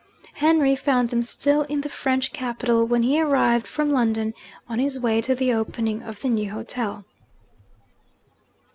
Henry found them still in the French capital, when he arrived from London on his way to the opening of the new hotel.